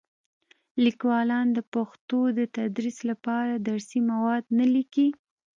لیکوالان د پښتو د تدریس لپاره درسي مواد نه لیکي.